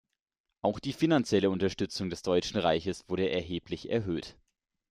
Auch die finanzielle Unterstützung des Deutschen Reiches wurde erheblich erhöht.